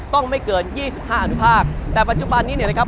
ต้องไม่เกิน๒๕อนุภาคแต่ปัจจุบันนี้นะครับ